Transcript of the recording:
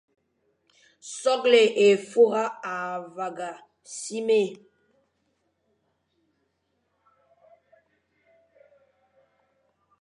Soghle é fura é vagha simé,